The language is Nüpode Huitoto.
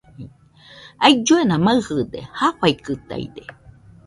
Ailluena maɨde, jafaikɨtaide.